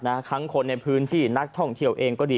ทั้งคนในพื้นที่นักท่องเที่ยวเองก็ดี